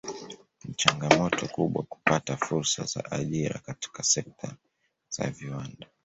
Ni changamoto kubwa kupata fursa za ajira katika sekta za viwanda